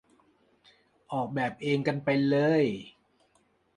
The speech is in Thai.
ออกแบบเองกันไปเลย